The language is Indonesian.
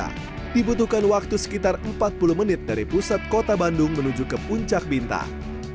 karena dibutuhkan waktu sekitar empat puluh menit dari pusat kota bandung menuju ke puncak bintang